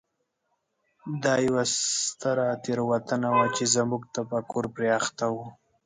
دا یوه ستره تېروتنه وه چې زموږ تفکر پرې اخته و.